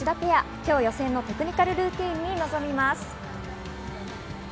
今日予選のテクニカルルーティンに臨みます。